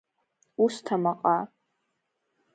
Усҭ амаҟа…